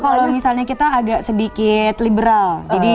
kalau misalnya kita agak sedikit liberal